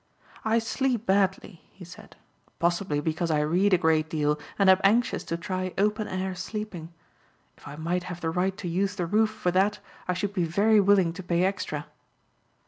"I sleep badly," he said, "possibly because I read a great deal and am anxious to try open air sleeping. If I might have the right to use the roof for that I should be very willing to pay extra."